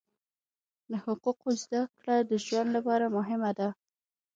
د حقوقو زده کړه د ژوند لپاره مهمه ده.